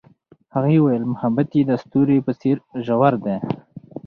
هغې وویل محبت یې د ستوري په څېر ژور دی.